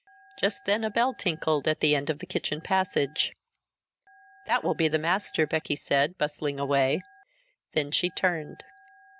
Just then a bell tinkled, at the end of the kitchen passage. "That will be the master," Becky said, bustling away. Then she turned.